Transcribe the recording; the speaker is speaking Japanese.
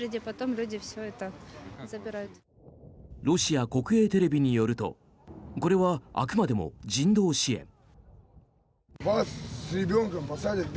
ロシア国営テレビによるとこれはあくまでも人道支援。